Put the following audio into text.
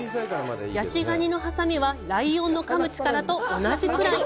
ヤシガニのはさみはライオンのかむ力と同じくらい。